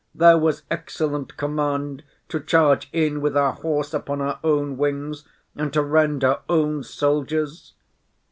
There was excellent command, to charge in with our horse upon our own wings, and to rend our own soldiers.